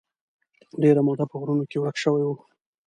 ډېره موده په غرونو کې ورک شوی و.